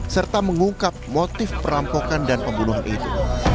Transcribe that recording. serta mengungkap motif perampokan dan pembunuhan itu